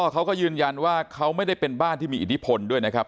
เขาก็ยืนยันว่าเขาไม่ได้เป็นบ้านที่มีอิทธิพลด้วยนะครับ